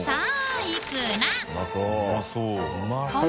うまそう。